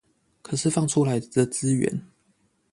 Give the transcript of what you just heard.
可是放出來的資源